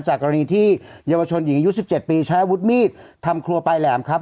จากกรณีที่เยาวชนหญิงยุคสิบเจ็ดปีใช้วุฒิมีดทำครัวปลายแหลมครับ